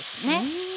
うん。